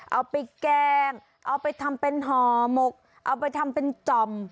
เอาไปแกงเอาไปทำเป็นห่อหมกเอาไปทำเป็นจ่อม